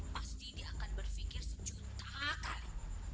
dan setelah saya nikah nanti